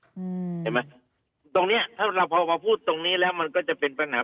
ใช่ไหมตรงเนี้ยถ้าเราพอมาพูดตรงนี้แล้วมันก็จะเป็นปัญหา